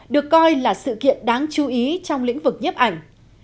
được coi là sự kiện đáng chú ý trong lĩnh vực nhiếp ảnh